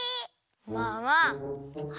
まあまあ。